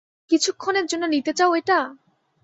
কিছুক্ষনের জন্য নিতে চাও এটা?